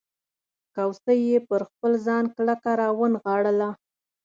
کوسۍ یې پر خپل ځان کلکه راونغاړله.